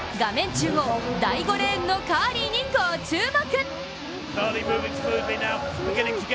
中央、第５レーンのカーリーにご注目。